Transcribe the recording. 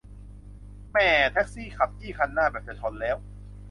แหม่ แท็กซี่ขับจี้คันหน้าแบบจะชนแล้ว